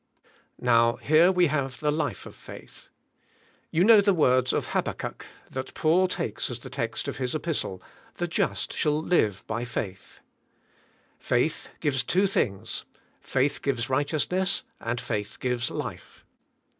Now, here we have the life of faith. You know the words in Habakkuk that Paul takes as the text of his Kpistle, "The just shall live by faith." Faith gives two thing s, faith g'ives righteousness and faith gives life.